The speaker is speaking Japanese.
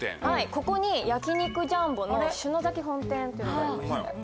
ここに焼肉ジャンボの篠崎本店っていうのがありまして。